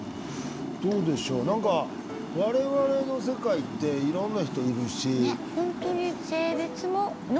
どうでしょう何か我々の世界っていろんな人いるし。